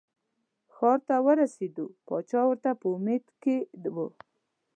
ښار ته ورسېده پاچا ورته په امید کې و.